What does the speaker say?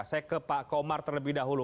saya ke pak komar terlebih dahulu